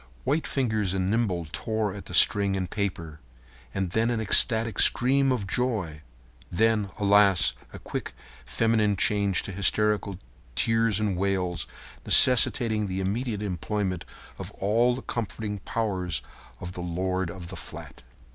White fingers and nimble tore at the string and paper. And then an ecstatic scream of joy; and then, alas! a quick feminine change to hysterical tears and wails, necessitating the immediate employment of all the comforting powers of the lord of the flat.